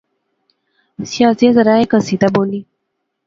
شازیہ ذرا ہیک ہسی تے بولی